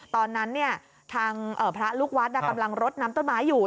ตอนนั้นทางพระลูกวัดกำลังรดน้ำต้นไม้อยู่